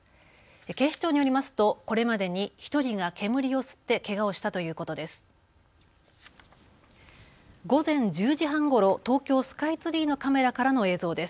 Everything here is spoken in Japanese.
警視庁によりますと、これまでに１人が煙を吸ってけがをしたということです。